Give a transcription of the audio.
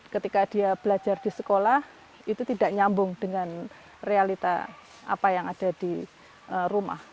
ketika dia belajar di sekolah itu tidak nyambung dengan realita apa yang ada di rumah